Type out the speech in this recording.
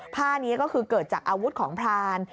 ผ้านี้ก็คือเกิดจากอาวุธของพราน